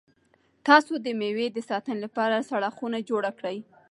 تاسو د مېوو د ساتنې لپاره سړه خونه جوړه کړئ.